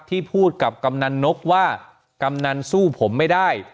ที่พูดกับกำนันนกว่ากำนันสู้ผมไม่ได้